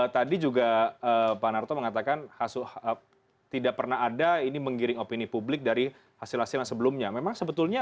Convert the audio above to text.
tadi juga pak narto mengatakan tidak pernah ada ini menggiring opini publik dari hasil hasil yang sebelumnya memang sebetulnya